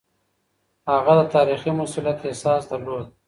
هغه د تاريخي مسووليت احساس درلود.